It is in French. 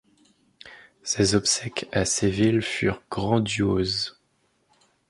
Ses obsèques à Séville furent grandioses.